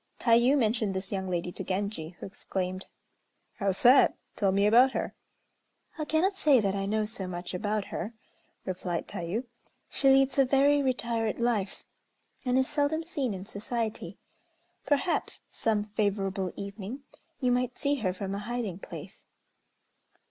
Tayû mentioned this young lady to Genji, who exclaimed: "How sad! Tell me all about her." "I cannot say that I know so much about her," replied Tayû. "She leads a very retired life, and is seldom seen in society. Perhaps, some favorable evening, you might see her from a hiding place.